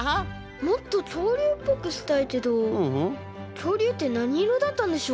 もっときょうりゅうっぽくしたいけどきょうりゅうってなにいろだったんでしょう？